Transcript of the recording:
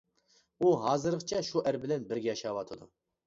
ئۇ ھازىرغىچە شۇ ئەر بىلەن بىرگە ياشاۋاتىدۇ.